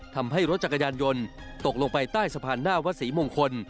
ทำให้รถจักรยานยนต์ตกลงไปใต้สะพานหน้าวัดศรีมงคล